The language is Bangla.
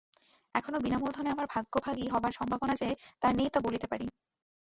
এখনও বিনা মূলধনে আমার ভাগ্যভাগী হবার সম্ভাবনা যে তার নেই তা বলতে পারি নে।